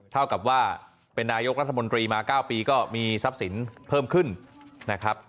เท่ากับว่าเป็นนายกรัฐมนตรีมา๙ปีก็มีทรัพย์สินเพิ่มขึ้นนะครับ